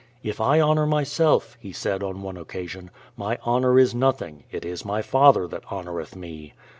"If I honour myself," He said on one occasion, "my honour is nothing; it is my Father that honoureth me."